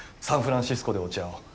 サンフランシスコで落ち合おう。